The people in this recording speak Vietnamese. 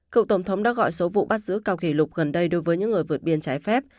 cựu tổng thống đã gọi số vụ bắt giữ cao kỷ lục gần đây đối với những người vượt biên trái phép